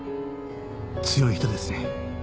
強い人ですね。